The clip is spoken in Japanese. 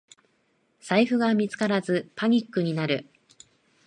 財布が見つからずパニックになる